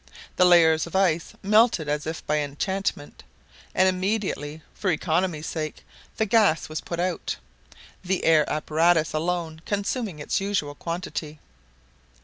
The layers of ice melted as if by enchantment; and immediately, for economy's sake, the gas was put out, the air apparatus alone consuming its usual quantity.